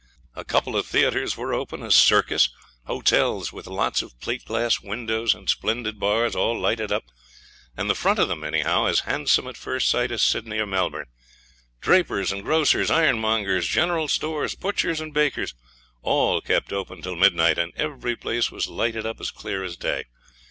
A couple of theatres were open, a circus, hotels with lots of plate glass windows and splendid bars, all lighted up, and the front of them, anyhow, as handsome at first sight as Sydney or Melbourne. Drapers and grocers, ironmongers, general stores, butchers and bakers, all kept open until midnight, and every place was lighted up as clear as day.